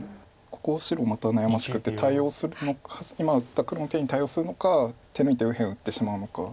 ここ白また悩ましくて今打った黒の手に対応するのか手抜いて右辺を打ってしまうのか。